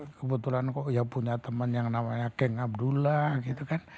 kebetulan kok ya punya teman yang namanya geng abdullah gitu kan